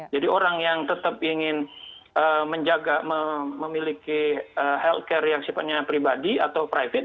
jadi orang yang tetap ingin menjaga memiliki health care yang sifatnya pribadi atau private